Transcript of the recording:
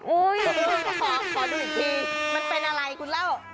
อุ้ยขอดูอีกทีมันเป็นอะไรคุณเล่ามันเป็นอะไรตัวนี้